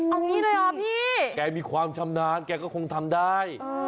เอางี้เลยเหรอพี่แกมีความชำนาญแกก็คงทำได้